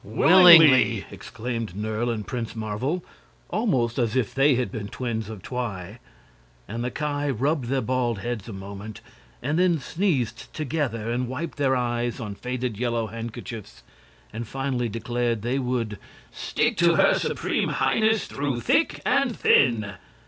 "Willingly!" exclaimed Nerle and Prince Marvel, almost as if they had been twins of Twi. And the Ki rubbed their bald heads a moment, and then sneezed together and wiped their eyes on faded yellow handkerchiefs, and finally declared they would "stick to her Supreme Highness through thick and thin!"